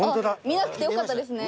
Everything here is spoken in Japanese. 見なくてよかったですね。